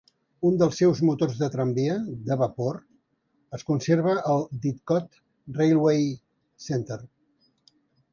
Un dels seus motors de tramvia de vapor es conserva al Didcot Railway Centre.